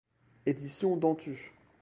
Éditions Dentu.